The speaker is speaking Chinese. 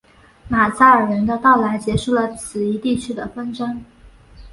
马扎尔人的到来结束了此一地区的纷争。